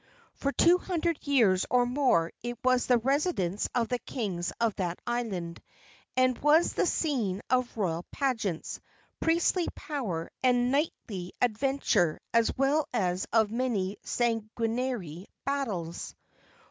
For two hundred years or more it was the residence of the kings of that island, and was the scene of royal pageants, priestly power and knightly adventure, as well as of many sanguinary battles.